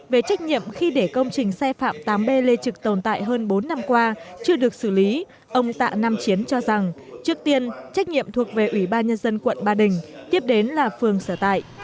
về trách nhiệm khi để công trình xe phạm tám b lê trực tồn tại hơn bốn năm qua chưa được xử lý ông tạ nam chiến cho rằng trước tiên trách nhiệm thuộc về ubnd quận ba đình tiếp đến là phương sở tại